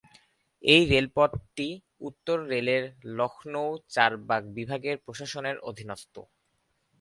এই রেলপথটি উত্তর রেলের লখনউ চারবাগ বিভাগের প্রশাসনের অধীনস্থ।